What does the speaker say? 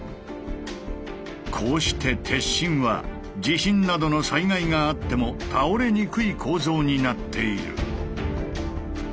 こうして鉄心は地震などの災害があっても倒れにくい構造になっている。